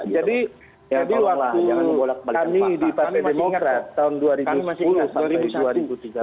jadi waktu kami di partai demokrat kami masih ingat tahun dua ribu sepuluh tahun dua ribu tiga belas